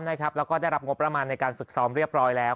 แล้วก็ได้รับงบประมาณในการฝึกซ้อมเรียบร้อยแล้ว